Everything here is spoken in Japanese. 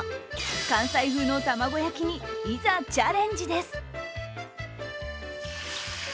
関西風の卵焼きにいざチャレンジです。